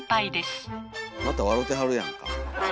また笑てはるやんか。笑